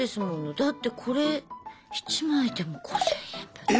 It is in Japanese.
だってこれ１枚でも５０００円分だよ？